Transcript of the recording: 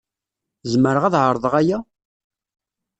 Zemreɣ ad ɛerḍeɣ aya?